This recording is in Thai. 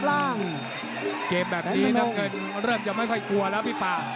ตามต่อยกที่๓ครับ